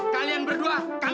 kalian berdua kami tangkap